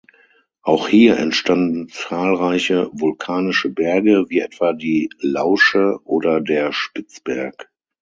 Auch hier entstanden zahlreiche vulkanische Berge, wie etwa die Lausche oder der Spitzberg.